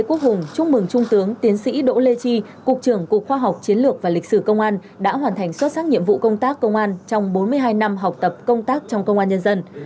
quốc hùng chúc mừng trung tướng tiến sĩ đỗ lê chi cục trưởng cục khoa học chiến lược và lịch sử công an đã hoàn thành xuất sắc nhiệm vụ công tác công an trong bốn mươi hai năm học tập công tác trong công an nhân dân